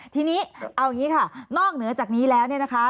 ทีนี้เอาอย่างนี้ค่ะนอกเหนือจากนี้แล้วเนี่ยนะคะ